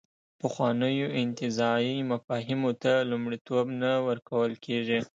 پخوانیو انتزاعي مفاهیمو ته لومړیتوب نه ورکول کېږي.